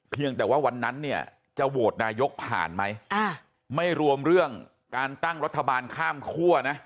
เพียงแต่ว่าวันนั้นเนี่ยจะโหวตนายกผ่านไหมไม่รวมเรื่องการตั้งรัฐบาลข้ามคั่วนะ